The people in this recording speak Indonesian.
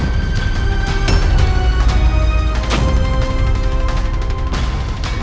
hai dan mempertanggungjawabkan curanganmu jangan salah fahamkanmu